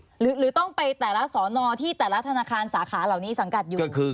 หรือต้องไปแต่ละสอนอที่แต่ละธนาคารสาขาเหล่านี้สังกัดอยู่